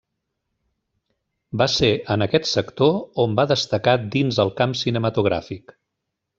Va ser en aquest sector on va destacar dins el camp cinematogràfic.